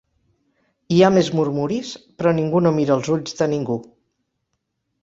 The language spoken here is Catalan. Hi ha més murmuris, però ningú no mira els ulls de ningú.